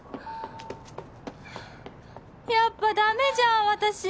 やっぱダメじゃん私！